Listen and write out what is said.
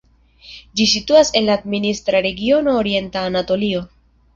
Ĝi situas en la administra regiono Orienta Anatolio.